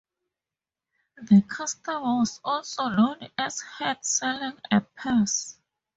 The custom was also known as "handseling a purse".